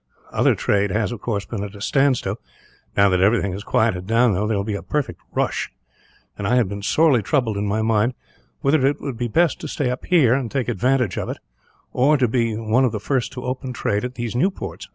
Other trade has, of course, been at a standstill. Now that everything has quieted down, there will be a perfect rush; and I have been sorely troubled, in my mind, whether it would be best to stay up here and take advantage of it, or to be one of the first to open trade at these new ports.